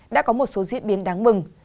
đã có một số diễn biến đáng mừng